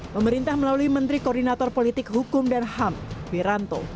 pemerintah melalui menteri koordinator politik hukum dan ham wiranto